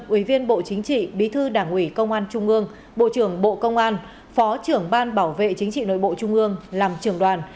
ủy viên bộ chính trị bí thư đảng ủy công an trung ương bộ trưởng bộ công an phó trưởng ban bảo vệ chính trị nội bộ trung ương làm trưởng đoàn